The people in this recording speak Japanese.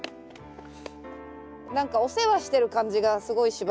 何かお世話してる感じがすごいしますね。